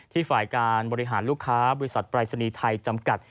ฝ่ายการบริหารลูกค้าบริษัทปรายศนีย์ไทยจำกัด